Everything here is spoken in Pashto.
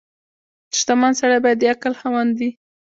• شتمن سړی باید د عقل خاوند وي.